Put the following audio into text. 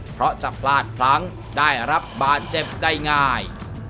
เพราะจะพลาดพลั้งได้รับบาดเจ็บได้ง่าย